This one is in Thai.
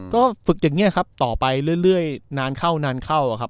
ก็ฝึกอย่างเงี้ยครับต่อไปเรื่อยเรื่อยนานเข้านานเข้าอ่ะครับ